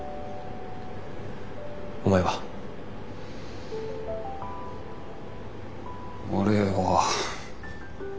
お前は？俺は。